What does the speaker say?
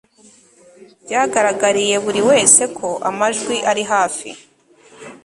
Byagaragariye buri wese ko amajwi ari hafi